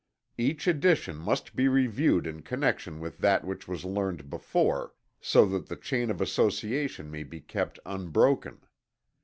Each addition must be reviewed in connection with that which was learned before, so that the chain of association may be kept unbroken.